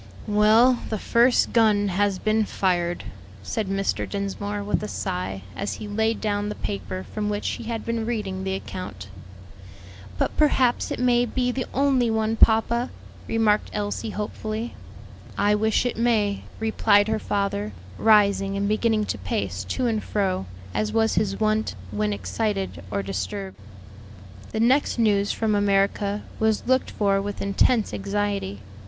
"Well, the first gun has been fired," said Mr. Dinsmore, with a sigh, as he laid down the paper from which he had been reading the account. "But perhaps it may be the only one, papa," remarked Elsie hopefully. "I wish it may," replied her father, rising and beginning to pace to and fro, as was his wont when excited or disturbed. The next news from America was looked for with intense anxiety.